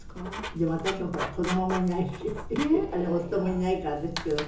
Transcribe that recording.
でも私はほら子供もいないし夫もいないからですけど。